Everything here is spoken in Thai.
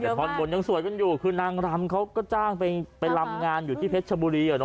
แต่ท่อนบนยังสวยกันอยู่คือนางรำเขาก็จ้างไปรำงานอยู่ที่เพชรชบุรี